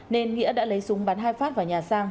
nên nghĩa đã lấy súng bắn hai phát vào nhà sang